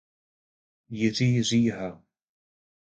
Jiří Říha.